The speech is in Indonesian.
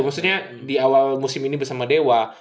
maksudnya di awal musim ini bersama dewa